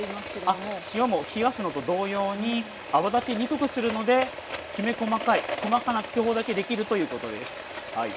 あっ塩も冷やすのと同様に泡立ちにくくするのできめ細かい細かな気泡だけできるということですはい。